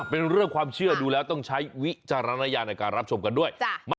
เป็นเรื่องความเชื่อดูแล้วต้องใช้วิจารณญาณในการรับชมกันด้วย